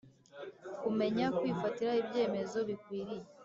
kumenya kwifatira ibyemezo bikwiriye.